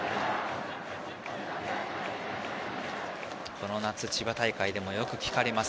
この夏千葉大会でもよく聞こえます